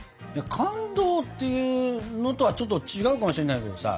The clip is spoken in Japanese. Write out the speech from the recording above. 感動っていうのとはちょっと違うかもしれないけどさ。